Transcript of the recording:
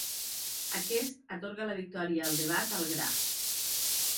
Aquest atorga la victòria al debat al gra.